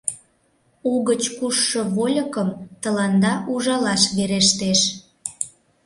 Угыч кушшо вольыкым тыланда ужалаш верештеш.